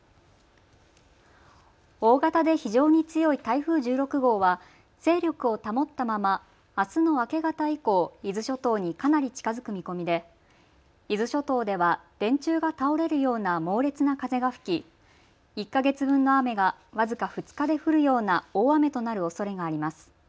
大型で非常に強い台風１６号は勢力を保ったままあすの明け方以降、伊豆諸島にかなり近づく見込みで伊豆諸島では電柱が倒れるような猛烈な風が吹き１か月分の雨が僅か２日で降るような大雨となるおそれがあります。